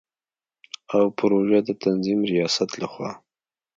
او پروژو د تنظیم ریاست له خوا